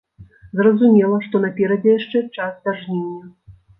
Зразумела, што наперадзе яшчэ час да жніўня.